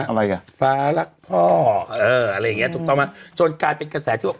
อะไรอ่ะฟ้ารักพ่อเอออะไรอย่างเงี้ถูกต้องไหมจนกลายเป็นกระแสที่ว่า